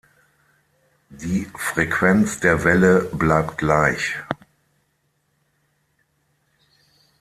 Die Frequenz der Welle bleibt gleich.